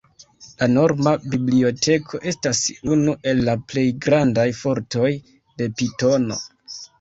La norma biblioteko estas unu el la plej grandaj fortoj de Pitono.